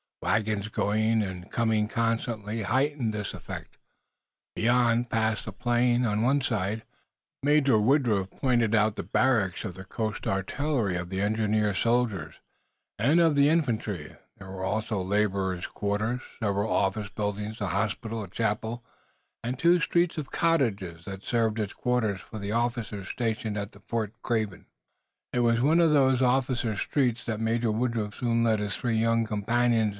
Wagons going and coming constantly heightened this effect. Beyond, past the plain, on one side, Major Woodruff pointed out the barracks of the Coast Artillery, of the Engineers soldiers, and of the Infantry. There were also laborers' quarters, several office buildings, a hospital, a chapel, and two streets of cottages that served as quarters for the officers stationed at Fort Craven. It was into one of these officers' streets that Major Woodruff soon led his three young companions.